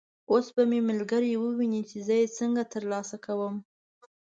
اوس به مې ملګري وویني چې زه یې څنګه تر لاسه کوم.